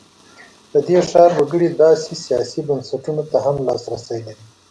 د دې ښار وګړي داسې سیاسي بنسټونو ته هم لاسرسی لري.